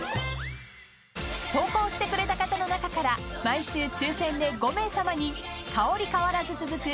［投稿してくれた方の中から毎週抽選で５名さまに香り変わらず続く